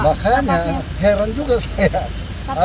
makanya heran juga saya